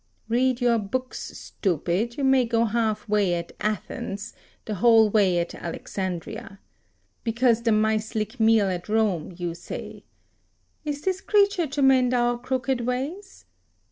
Read your books, stupid: you may go half way at Athens, the whole way at Alexandria. Because the mice lick meal at Rome, you say. Is this creature to mend our crooked ways?